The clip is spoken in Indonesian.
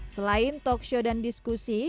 selain talkshow dan diskusi